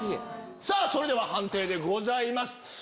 それでは判定でございます。